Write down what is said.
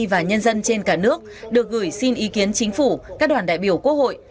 và nhân dân trên cả nước được gửi xin ý kiến chính phủ các đoàn đại biểu quốc hội